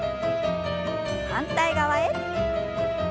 反対側へ。